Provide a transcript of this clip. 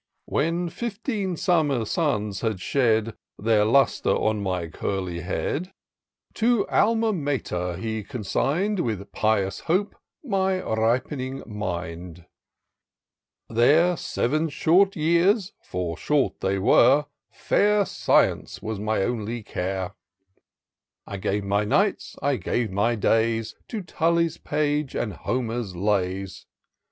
When fifteen summer suns had shed Their lustre on my curly head. To Alma Mater he consigned. With pious hope, my rip'ning mind. " There, sev'n short years (for short t Fair science was my only care ; IN SEARCH OF THE PICTURESQUE. 283 I gave my nights, I gave my days, To Tally's page and Homer's lays.